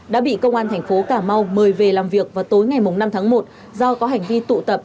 đã bị công an thành phố cà mau mời về làm việc vào tối ngày năm tháng một do có hành vi tụ tập